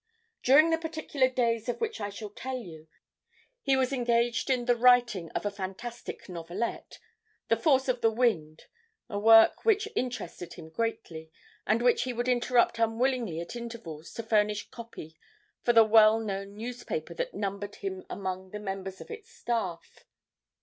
"During the particular days of which I shall tell you, he was engaged in the writing of a fantastic novelette, 'The Force of the Wind,' a work which interested him greatly, and which he would interrupt unwillingly at intervals to furnish copy for the well known newspaper that numbered him among the members of its staff.